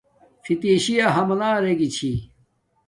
فتشی یا حملہ ارگی چھی